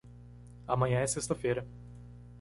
Amanhã é sexta-feira.